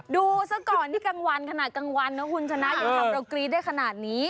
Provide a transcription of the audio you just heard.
ดูซะก่อนนี่กลางวันขนาดกลางวันนะคุณชนะอย่าทำเรากรี๊ดได้ขนาดนี้